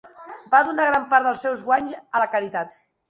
Va donar gran part dels seus guanys a la caritat.